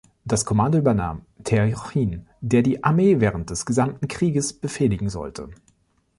Das Kommando übernahm Terjochin, der die Armee während des gesamten Krieges befehligen sollte.